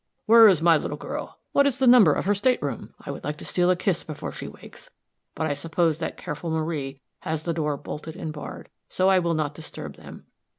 "Where is my little girl? What is the number of her state room? I would like to steal a kiss before she wakes; but I suppose that careful Marie has the door bolted and barred; so I will not disturb them.